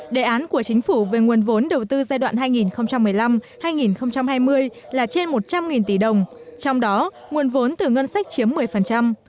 đề án của chính phủ về nguồn vốn đầu tư giai đoạn hai nghìn một mươi năm hai nghìn hai mươi là trên một trăm linh tỷ đồng trong đó nguồn vốn từ ngân sách chiếm một mươi